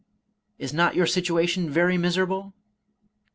" Is not your situation very miser able